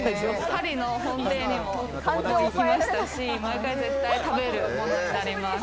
パリの本店にも行きましたし、毎回、絶対食べるものになります。